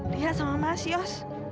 lia sama mas yos